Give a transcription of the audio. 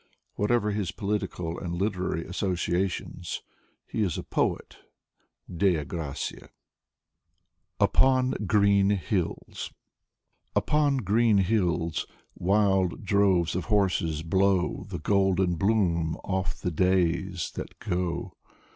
Whatever his political and literary associations, he is a poet del gratia. 164 Sergei Yesenin 165 " UPON GREEN HILLS " Upon green hills wild droves of horses blow The golden bloom off of the days that go.